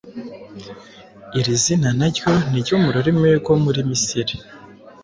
Iri zina na ryo ni iryo mu rurimi rwo muri Misiri